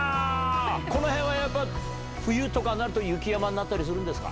この辺はやっぱ、冬とかになると雪山になったりするんですか。